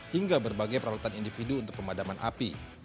hingga berbagai peralatan individu untuk pemadaman api